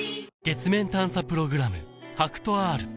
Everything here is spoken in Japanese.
月面探査プログラム